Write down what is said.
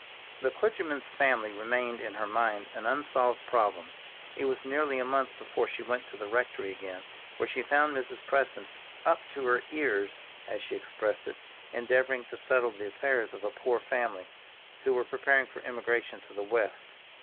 The clergyman's family remained in her mind an unsolved problem; it was nearly a month before she went to the rectory again, where she found Mrs. Preston "up to her ears," as she expressed it, endeavoring to settle the affairs of a poor family who were preparing for emigration to the West.